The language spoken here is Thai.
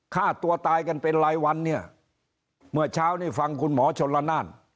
ฆ่าตัวตายกันเป็นรายวันเนี่ยเมื่อเช้านี่ฟังคุณหมอชนละนาน